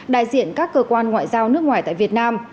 đại diện các cơ quan ngoại giao nước ngoài tại việt nam